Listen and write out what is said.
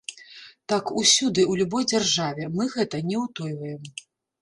Так усюды, у любой дзяржаве, мы гэта не ўтойваем.